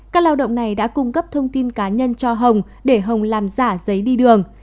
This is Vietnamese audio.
các lao động này đã cung cấp thông tin cá nhân cho hồng để hồng làm giả giấy đi đường